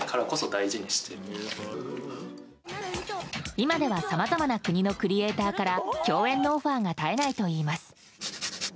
今ではさまざまな国のクリエーターから共演のオファーが絶えないといいます。